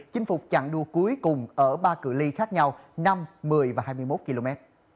chinh phục trạng đua cuối cùng ở ba cửa ly khác nhau năm một mươi và hai mươi một km